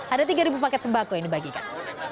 ada tiga paket sembako yang dibagikan